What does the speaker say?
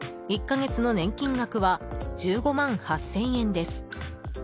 １か月の年金額は１５万８０００円です。